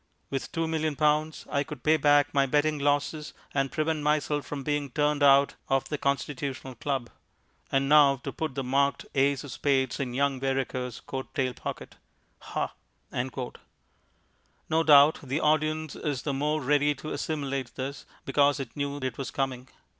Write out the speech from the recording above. With two million pounds I could pay back my betting losses and prevent myself from being turned out of the Constitutional Club. And now to put the marked ace of spades in young Vereker's coat tail pocket. Ha!" No doubt the audience is the more ready to assimilate this because it knew it was coming.